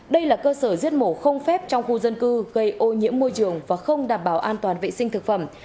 đây là cơ sở giết mổ không phép trong khu dân cư gây ô nhiễm môi trường và không đảm bảo an toàn vệ sinh thực phẩm